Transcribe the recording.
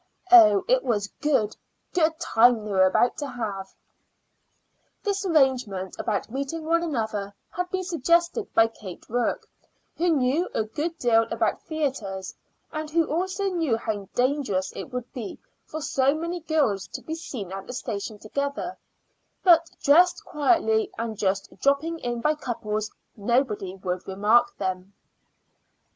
Oh, it was a good, good time they were about to have! This arrangement about meeting one another had been suggested by Kate Rourke, who knew a good deal about theatres, and who also knew how dangerous it would be for so many girls to be seen at the station together; but dressed quietly, and just dropping in by couples, nobody would remark them.